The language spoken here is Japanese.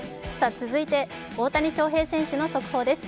続いて大谷翔平選手の速報です。